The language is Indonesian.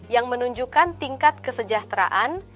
yang menunjukkan tingkat kesejahteraan